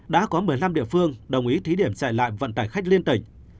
đã có một mươi năm địa phương đồng ý thí điểm dạy lại vận tải khách liên tỉnh